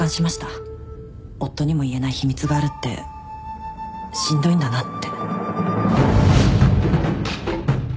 夫にも言えない秘密があるってしんどいんだなって。